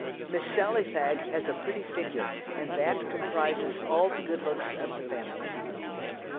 Miss Sally Fagg has a pretty figure, and that comprises all the good looks of the family."